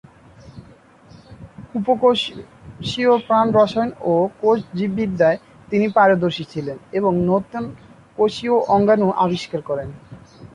উপকোষীয় প্রাণরসায়ন ও কোষ জীববিদ্যায় তিনি পারদর্শী ছিলেন এবং নতুন কোষীয় অঙ্গাণু আবিষ্কার করেন।